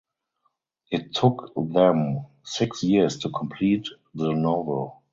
It took them six years to complete the novel.